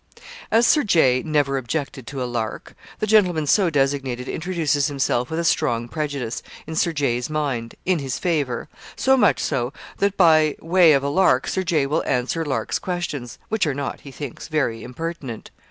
As Sir J. never objected to a lark, the gentleman so designated introduces himself with a strong prejudice, in Sir J.'s mind, in his favour so much so, that by way of a lark, Sir J. will answer Lark's questions, which are not, he thinks, very impertinent.